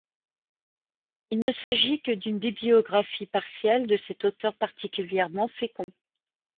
Il ne s’agit que d’une bibliographie partielle de cet auteur particulièrement fécond.